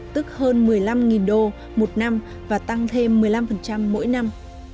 tức hơn một mươi năm đô một năm và tăng thêm một mươi năm mỗi năm